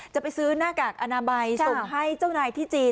จะไปซื้อหน้ากากอนามัยส่งให้เจ้านายที่จีน